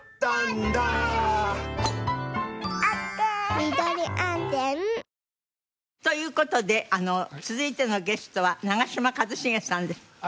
言うて。という事で続いてのゲストは長嶋一茂さんです。